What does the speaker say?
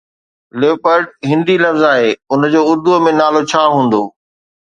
Leopard Hindi لفظ آهي، ان جو اردو ۾ نالو ڇا هوندو؟